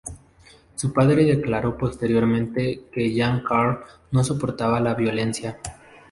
Su padre declaró posteriormente que Jan Carl no soportaba la violencia.